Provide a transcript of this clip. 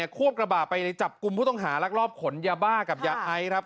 ควบกระบะไปจับกลุ่มผู้ต้องหารักรอบขนยาบ้ากับยาไอครับ